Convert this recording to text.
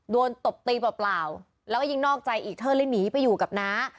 ตบตีเปล่าแล้วก็ยิ่งนอกใจอีกเธอเลยหนีไปอยู่กับน้า